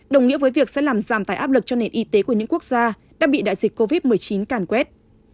đồng nghĩa với việc sẽ làm giảm tải áp lực cho nền y tế của những quốc gia đang bị đại dịch covid một mươi chín càn quét